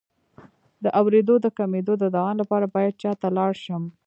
د اوریدو د کمیدو د دوام لپاره باید چا ته لاړ شم؟